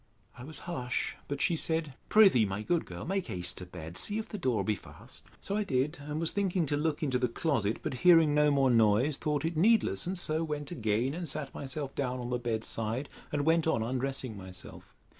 I was hush; but she said, Pr'ythee, my good girl, make haste to bed. See if the door be fast. So I did, and was thinking to look into the closet; but, hearing no more noise, thought it needless, and so went again and sat myself down on the bed side, and went on undressing myself.